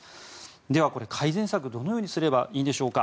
では、これ改善策どのようにすればいいんでしょうか。